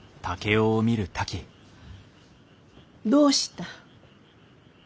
どうした？